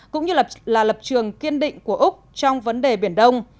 cũng như lập trường kiên định của úc trong vấn đề biển đông